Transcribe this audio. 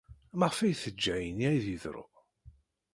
Maɣef ay teǧǧa ayenni ad d-yeḍru?